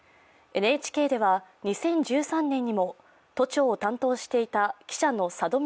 ＮＨＫでは２０１３年にも、都庁を担当していた記者の佐戸